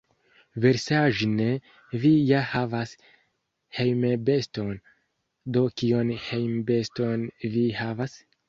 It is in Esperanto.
Versaĵne vi ja havas hejmbeston, do kion hejmbeston vi havas?